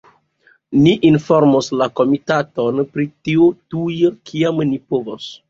Ni informos la komitaton pri tio tuj, kiam ni povos.